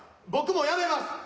僕も辞めます。